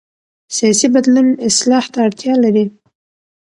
سیاسي بدلون اصلاح ته اړتیا لري